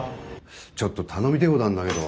ちょっと頼みてえことあんだけど。